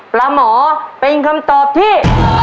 ปลาหมอเป็นคำตอบที่